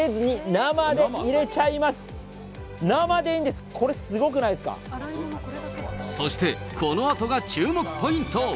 生でいいんです、これ、そして、このあとが注目ポイント。